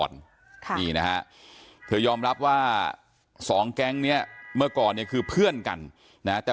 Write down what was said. ค่ะนี่นะฮะเธอยอมรับว่าสองแก๊งเนี้ยเมื่อก่อนเนี่ยคือเพื่อนกันนะแต่